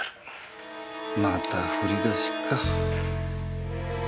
またふりだしか。